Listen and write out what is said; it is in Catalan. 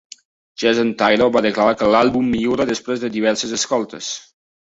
Jason Taylor va declarar que l'àlbum millora després de diverses escoltes.